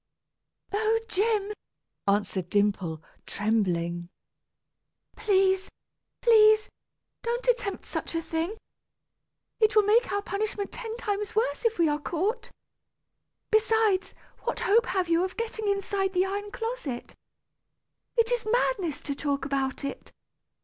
"Oh! Jim," answered Dimple, trembling. "Please, please, don't attempt such a thing. It will make our punishment ten times worse if we are caught. Besides, what hope have you of getting inside the iron closet? It is madness to talk about it.